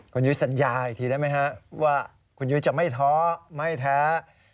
คุณยุ้ยสัญญาอีกทีได้ไหมฮะว่าคุณยุ้ยจะไม่ท้อไม่แท้